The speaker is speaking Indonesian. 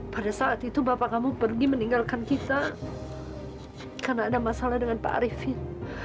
pada saat itu bapak kamu pergi meninggalkan kita karena ada masalah dengan pak arifin